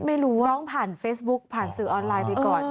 ไม่รู้ร้องผ่านเฟซบุ๊กผ่านสื่อออนไลน์ไปก่อน